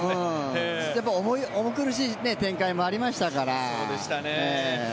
やっぱ重苦しい展開もありましたから。